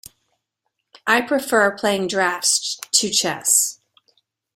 I prefer playing draughts to chess